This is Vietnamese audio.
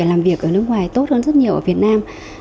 cơ hội làm việc ở nước ngoài tốt hơn rất nhiều ở việt nam